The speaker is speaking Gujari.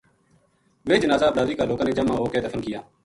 ویہ جنازہ بلادری کا لوکاں نے جمع ہو کے دفن کِیا